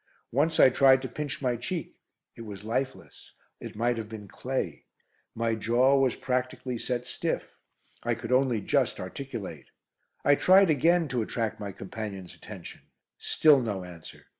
Once I tried to pinch my cheek; it was lifeless. It might have been clay. My jaw was practically set stiff. I could only just articulate. I tried again to attract my companion's attention. Still no answer.